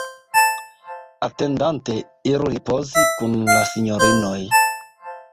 Atendante, iru ripozi kun la sinjorinoj.